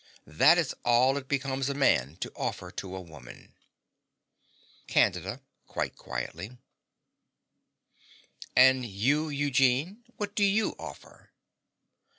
That is all it becomes a man to offer to a woman. CANDIDA (quite quietly). And you, Eugene? What do you offer?